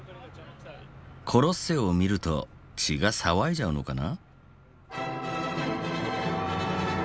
コロッセオを見ると血が騒いじゃうのかな？